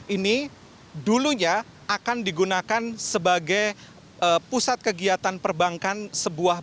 ini dulunya akan digunakan sebagai pusat kegiatan perbankan sebuah